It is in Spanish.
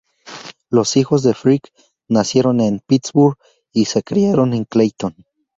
Los hijos de Frick nacieron en Pittsburgh y se criaron en Clayton.